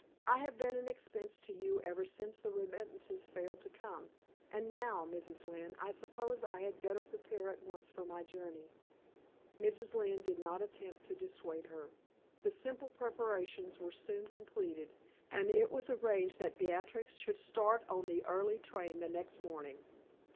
I have been an expense to you ever since the remittances failed to come. And now, Mrs. Lynne, I suppose I had better prepare at once for my journey." Mrs. Lynne did not attempt to dissuade her. The simple preparations were soon completed, and it was arranged that Beatrix should start on the early train the next morning.